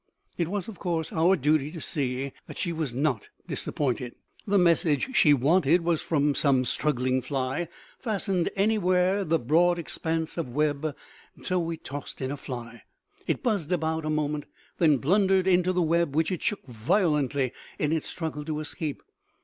It was, of course, our duty to see that she was not disappointed. The message she wanted was from some struggling fly fastened anywhere in the broad expanse of web. So we tossed in a fly. It buzzed about a moment, then blundered into the web which it shook violently in its struggle to escape.